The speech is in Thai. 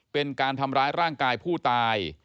เป็นการทำร้ายร่างกายผู้ตาย